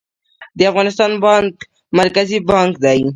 د افغانستان بانک مرکزي بانک دی